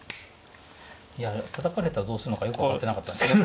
いやタタかれたらどうするのかよく分かってなかったんですけど。